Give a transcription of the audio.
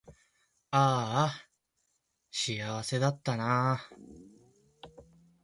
あーあ幸せだったなー